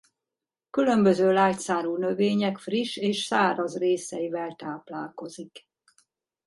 Különböző lágyszárú növények friss és száraz részeivel táplálkozik.